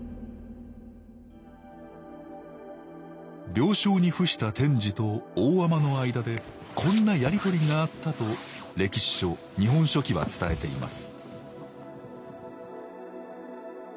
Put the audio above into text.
病床に伏した天智と大海人の間でこんなやり取りがあったと歴史書「日本書紀」は伝えています